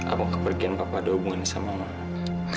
apa kepergian papa ada hubungannya sama mama